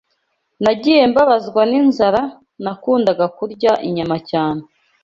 Nagiye mbabazwa n’inzara, nakundaga kurya inyama cyane